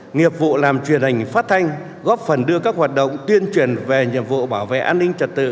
nghiệp vụ làm truyền hình phát thanh góp phần đưa các hoạt động tuyên truyền về nhiệm vụ bảo vệ an ninh trật tự